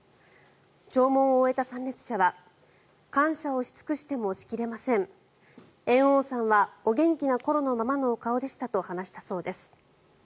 弔問を終えた参列者は感謝をし尽くしてもしきれません猿翁さんはお元気な頃のままのお顔でしたと話したそうです。